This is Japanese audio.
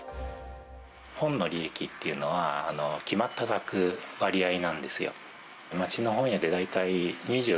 本の利益っていうのは、決まった額、割合なんですよ。